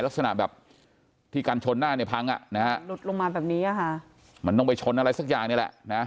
ลักษณะแบบที่กันชนหน้าในพังอ่ะมันต้องไปชนอะไรสักอย่างนี่แหละนะ